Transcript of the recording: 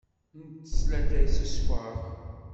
Ntess latay s sskeṛ.